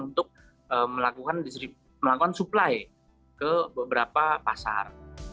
untuk melakukan supply ke beberapa pasar